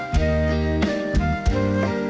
เสียงรัก